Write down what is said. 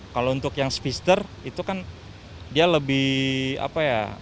kalau untuk yang speezer itu kan dia lebih apa ya